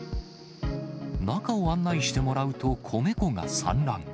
中を案内してもらうと、米粉が散乱。